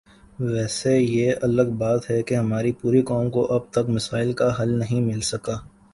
ویسے یہ الگ بات ہے کہ ہماری پوری قوم کو اب تک مسائل کا حل نہیں مل سکا